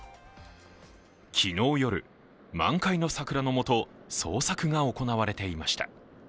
昨日夜、満開の桜のもと捜索が行われていました。